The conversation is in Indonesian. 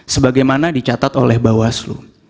sebagaimana dicatat oleh bawaslu